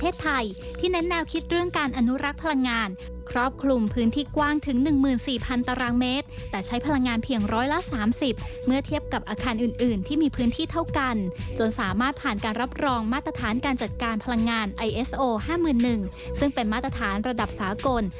ซึ่งเป็นมาตรฐานระดับสากล